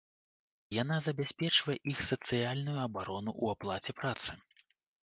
Яна забяспечвае іх сацыяльную абарону ў аплаце працы.